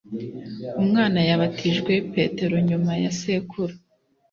Umwana yabatijwe Petero nyuma ya sekuru